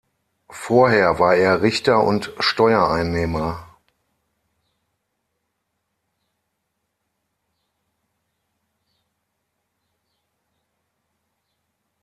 Vorher war er Richter und Steuereinnehmer.